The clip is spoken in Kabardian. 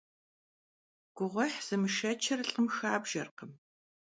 Guğuêh zımışşeçır lh'ım xabjjerkhım.